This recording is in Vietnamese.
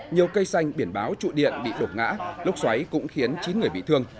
nhiều cây xanh biển báo trụ điện bị đột ngã lốc xoáy cũng khiến chín người bị thương